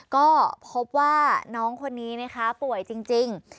ก็พบว่าน้องคนนี้นะคะป่วยจริง